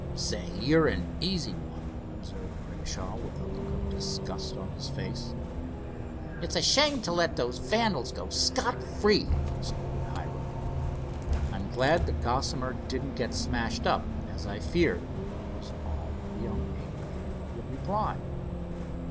"Say, you're an easy one," observed Grimshaw, with a look of disgust on his face. "It's a shame to let those vandals go scot free," scolded Hiram. "I'm glad the Gossamer didn't get smashed up, as I feared," was all the young aviator would reply.